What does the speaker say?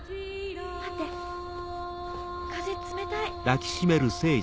待って風冷たい。